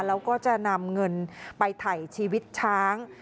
แล้วก็จะนำเงินไปถ่ายชีวิตช้าง